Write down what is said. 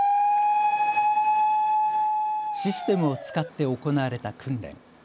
システムを使って行われた訓練。